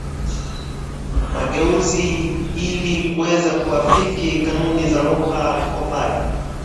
mageuzi ili kuweza kuafiki kanuni za lugha kopaji